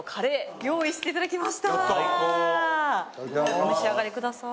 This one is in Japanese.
お召し上がりください。